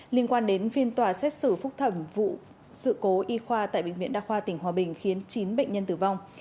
liên quan đến phiên tòa xét xử phúc thẩm vụ sự cố y khoa tại bệnh viện đa khoa tỉnh hòa bình khiến chín bệnh nhân tử vong